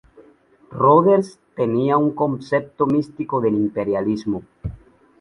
Rhodes tenía un concepto místico del imperialismo.